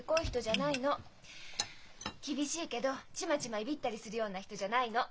厳しいけどチマチマいびったりするような人じゃないの。